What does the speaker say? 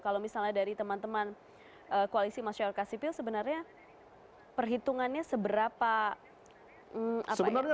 kalau misalnya dari teman teman koalisi masyarakat sipil sebenarnya perhitungannya seberapa apa